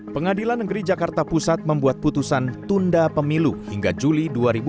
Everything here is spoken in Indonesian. pengadilan negeri jakarta pusat membuat putusan tunda pemilu hingga juli dua ribu dua puluh